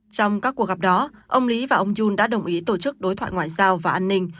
trong các cuộc gặp đó ông lý và ông yun đã đồng ý tổ chức đối thoại ngoại giao và an ninh